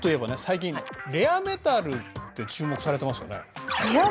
最近レアメタルって注目されてますよね？